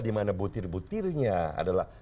di mana butir butirnya adalah